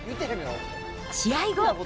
試合後。